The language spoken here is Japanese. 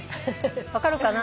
分かるかな？